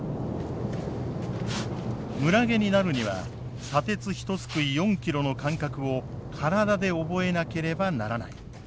村下になるには砂鉄ひとすくい４キロの感覚を体で覚えなければならない。